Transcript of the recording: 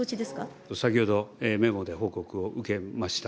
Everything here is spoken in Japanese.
先ほど、メモで報告を受けました。